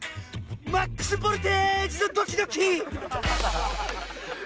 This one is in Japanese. マックスボルテージのドキドキ！